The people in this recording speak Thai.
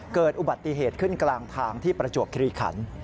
เกิดอุบัติเหตุขึ้นกลางทางที่ประจวบคิริขัน